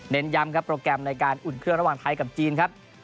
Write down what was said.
ย้ำครับโปรแกรมในการอุ่นเครื่องระหว่างไทยกับจีนครับ